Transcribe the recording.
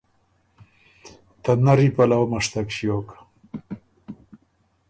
ته نری پلؤ مشتک ݭیوک۔